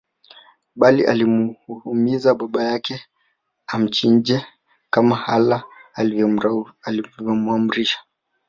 Bali alimuhimiza baba yake amchinje kama Allah alivyomuamrisha